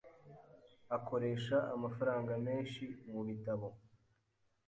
Akoresha amafaranga menshi mubitabo .